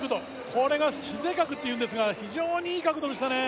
これが姿勢角っていうんですが非常にいい角度でしたね